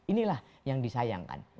inilah yang disayangkan